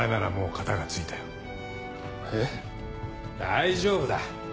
大丈夫だ。